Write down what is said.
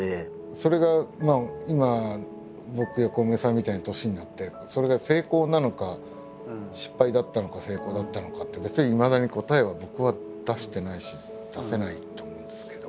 それが今僕やコウメさんみたいな年になってそれが成功なのか失敗だったのか成功だったのかって別にいまだに答えは僕は出してないし出せないと思うんですけど。